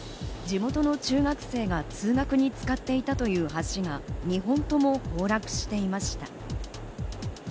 地元の中学生が通学に使っていたという橋が２本とも崩落していました。